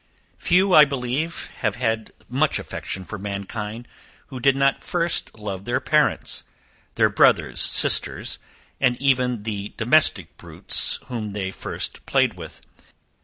Few, I believe, have had much affection for mankind, who did not first love their parents, their brothers, sisters, and even the domestic brutes, whom they first played with.